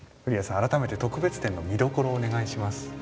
あらためて特別展の見どころをお願いします。